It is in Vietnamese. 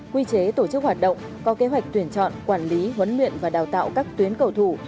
quy chế tổ chức hoạt động có kế hoạch tuyển chọn quản lý huấn luyện và đào tạo các tuyến cầu thủ